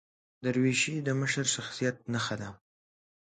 دریشي د مشر شخصیت نښه ده.